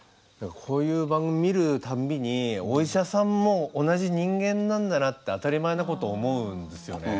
こういう番組見るたんびにお医者さんも同じ人間なんだなって当たり前のことを思うんですよね。